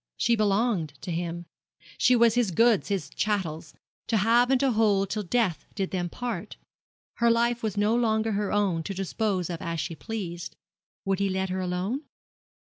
She belonged to him. She was his goods, his chattels to have and to hold till death did them part. Her life was no longer her own to dispose of as she pleased. Would he let her alone?